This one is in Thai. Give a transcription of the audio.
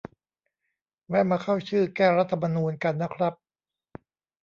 แวะมาเข้าชื่อ แก้รัฐธรรมนูญ กันนะครับ